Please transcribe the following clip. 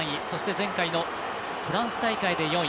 前回のフランス大会で４位。